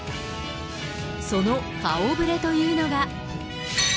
その顔ぶれというのが。